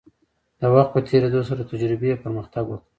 د وخت په تیریدو سره تجربې پرمختګ وکړ.